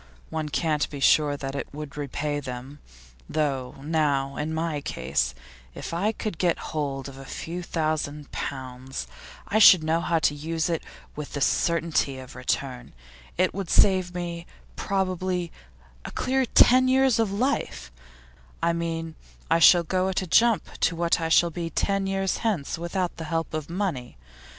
One can't be sure that it would repay them, though Now, in my own case, if I could get hold of a few thousand pounds I should know how to use it with the certainty of return; it would save me, probably, a clear ten years of life; I mean, I should go at a jump to what I shall be ten years hence without the help of money.